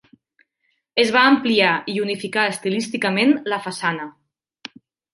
Es va ampliar i unificar estilísticament la façana.